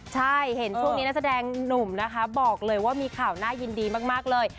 ใช่เห็นช่วงนี้นักแสดงหนุ่มนะคะบอกเลยว่ามีข่าวน่ายินดีมากเลย